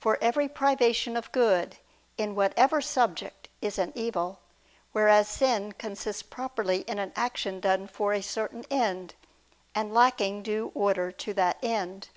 For every privation of good, in whatever subject, is an evil: whereas sin consists properly in an action done for a certain end, and lacking due order to that end.